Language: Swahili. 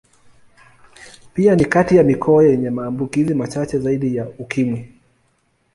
Pia ni kati ya mikoa yenye maambukizi machache zaidi ya Ukimwi.